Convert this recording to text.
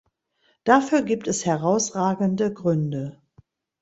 Dafür gibt es herausragende Gründe.